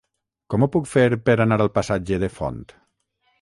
Com ho puc fer per anar al passatge de Font?